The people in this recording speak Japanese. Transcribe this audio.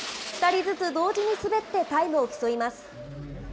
２人ずつ同時に滑ってタイムを競います。